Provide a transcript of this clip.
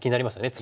次。